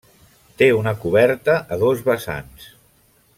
Té una coberta a dos vessants.